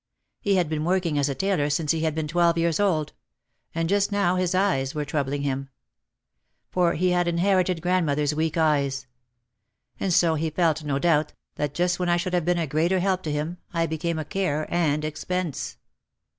He had been working as a tailor since he had been twelve years old. And just now his eyes were troubling him. For he had inherited grandmother's weak eyes. And so he felt, no doubt, that just when I should have been a greater help to him I became a care and expense.